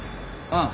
ああ。